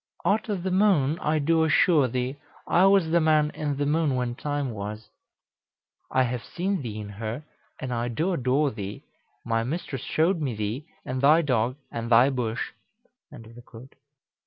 "Steph. Out o' th' moon, I do assure thee. I was the man in th' moon when time was. "Cal. I have seen thee in her; and I do adore thee. My mistress showed me thee, and thy dog, and thy bush."